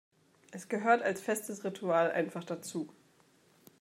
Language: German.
Es gehört als festes Ritual einfach dazu.